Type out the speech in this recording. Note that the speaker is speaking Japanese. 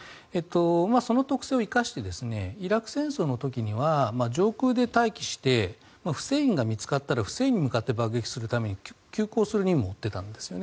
その特性を生かしてイラク戦争の時には上空で待機してフセインが見つかったらフセインに向かって爆撃するために急行する任務を負っていたんですね。